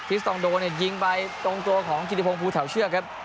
พลิสตองโดยิงใบตรงตัวของจิติพงภูเถ่าเชือก